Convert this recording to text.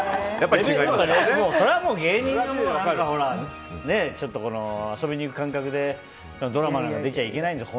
それはもう芸人なんかの遊びに行く感覚でドラマなんか出ちゃいけないんです。